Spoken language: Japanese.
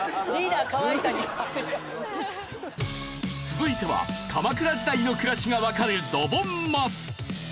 続いては鎌倉時代の暮らしがわかるドボンマス。